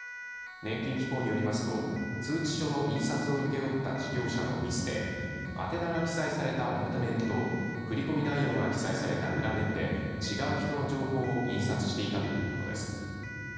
年金機構によりますと通知書の印刷を請け負った事業者のミスで宛名が記載された表面と振り込み内容が記載された裏面で違う人の情報を印刷していたということです。